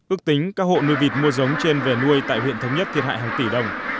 ước tính các hộ nuôi vịt mua giống trên về nuôi tại huyện thống nhất thiệt hại hàng tỷ đồng